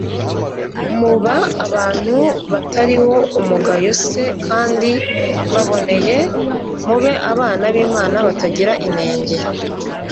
muba abantu batariho umugayo s kandi baboneye mube abana b Imana batagira inenge